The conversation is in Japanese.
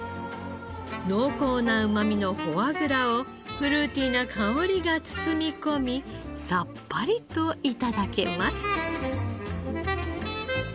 濃厚なうまみのフォアグラをフルーティーな香りが包み込みさっぱりと頂けます。